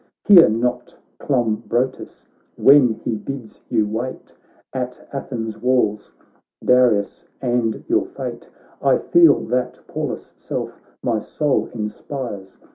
Hear not Clombrotus ivhen he bids you wait, At Athens' walls, Darius and your fate ; I feel that Pallas' self my soul inspires.